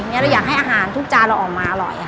เราอยากให้อาหารทุกจานเราออกมาอร่อย